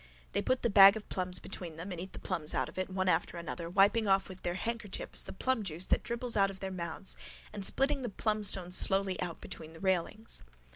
They put the bag of plums between them and eat the plums out of it, one after another, wiping off with their handkerchiefs the plumjuice that dribbles out of their mouths and spitting the plumstones slowly out between the railings.